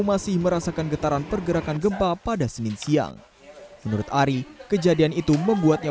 masih merasakan getaran pergerakan gempa pada senin siang menurut ari kejadian itu membuatnya